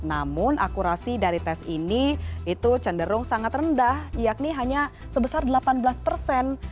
namun akurasi dari tes ini itu cenderung sangat rendah yakni hanya sebesar delapan belas persen